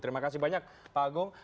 terima kasih banyak pak agung